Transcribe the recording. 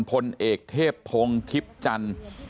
พลเอกเทพพงศ์ชิบจัล